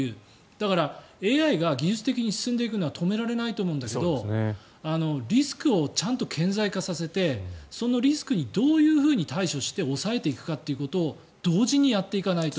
だからＡＩが技術的に進んでいくのは止められないと思うんだけどリスクをちゃんと顕在化させてそのリスクにどういうふうに対処して抑えていくかを同時にやっていかないと。